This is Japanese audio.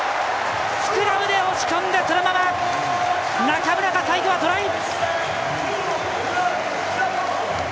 スクラムで押し込んでそのまま中村が最後はトライ！